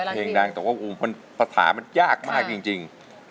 เพลงดังแต่ว่ากลุ่มประถามันยากมากจริง